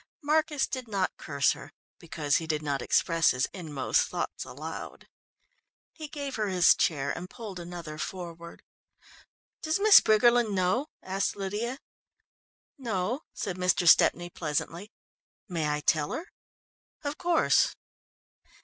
Marcus did not curse her because he did not express his inmost thoughts aloud. He gave her his chair and pulled another forward. "Does Miss Briggerland know?" asked Lydia. "No," said Mr. Stepney pleasantly. "May I tell her?" "Of course."